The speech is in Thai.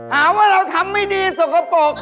หาว่าเราทำไม่ดีสกปรก